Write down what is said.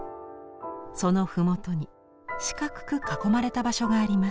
その麓に四角く囲まれた場所があります。